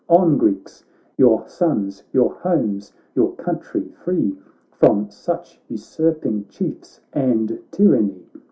On, Greeks !— your sons, your homes, your country free From such usurping Chiefs and tyranny